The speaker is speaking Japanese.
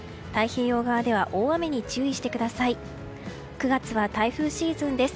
９月は台風シーズンです。